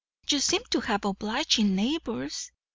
"You seem to have obliging neighbours!